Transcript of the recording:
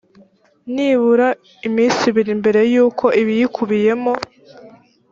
nibura iminsi ibiri mbere y uko ibiyikubiyemo